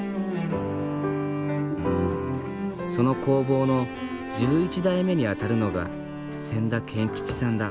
その工房の１１代目にあたるのが千田堅吉さんだ。